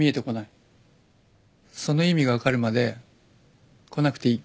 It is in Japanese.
その意味が分かるまで来なくていい。